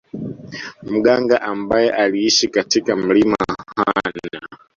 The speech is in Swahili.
Mganga ambaye aliishi katika mlima Hanah